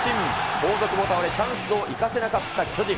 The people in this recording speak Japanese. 後続も倒れ、チャンスを生かせなかった巨人。